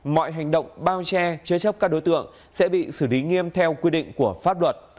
mọi hành động bao che chế chấp các đối tượng sẽ bị xử lý nghiêm theo quy định của pháp luật